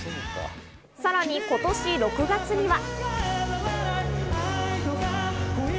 さらに今年６月には。